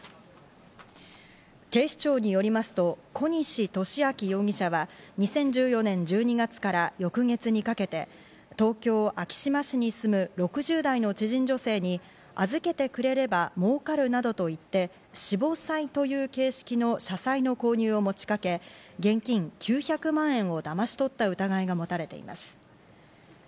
警視庁によりますと小西利明容疑者は２０１４年１２月から翌月にかけて東京・昭島市に住む６０代の知人女性に預けてくれればもうかるなどと言って私募債という形式の社債の購入を持ちかけ、現金９００万円をだまし取った疑いが持たれています。